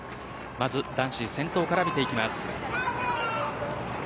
まず、先頭から見ていきます。